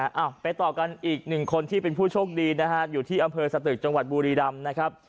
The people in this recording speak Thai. เอาไปต่อกันอีกหนึ่งคนที่เป็นผู้โชคดีนะฮะอยู่ที่อำเภอสตึกจังหวัดบุรีรำนะครับ